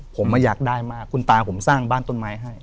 ผมอยากได้มากคุณตาผมสร้างบ้านต้นไม้ให้